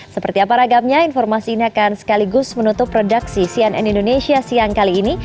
seperti apa ragamnya informasi ini akan sekaligus menutup redaksi cnn indonesia siang kali ini